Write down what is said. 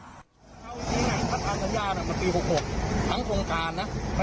เท่านี้นะปัญหาสัญญาณมันคือ๖๖๖ทั้งโครงการนะ